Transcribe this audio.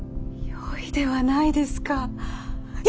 よいではないですか！